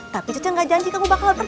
tapi coyoyo enggak janji kamu bakalan pergi